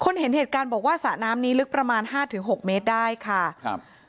เห็นเหตุการณ์บอกว่าสระน้ำนี้ลึกประมาณห้าถึงหกเมตรได้ค่ะครับ